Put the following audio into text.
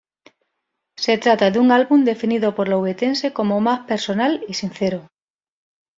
Se trata de un álbum definido por la ubetense como más personal y sincero.